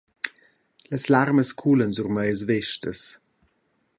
Las larmas culan sur mias vestas.